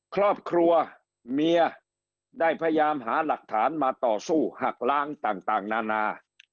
ครอบครัวเมียได้พยายามหาหลักฐานมาต่อสู้หักล้างต่างนานา